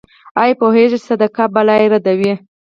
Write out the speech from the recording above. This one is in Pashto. ایا پوهیږئ چې صدقه بلا ردوي؟